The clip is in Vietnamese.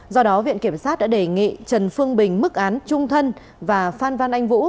do đó viện kiểm sát đã đề nghị trần phương bình mức án trung thân và phan văn anh vũ